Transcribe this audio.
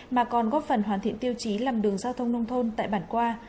mà còn góp phần hoàn thiện tiêu chí làm đường giao thông nông thôn tại bản qua